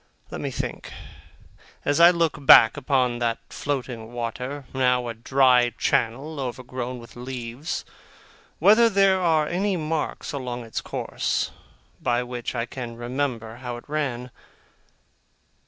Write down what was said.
Let me think, as I look back upon that flowing water, now a dry channel overgrown with leaves, whether there are any marks along its course, by which I can remember how it ran.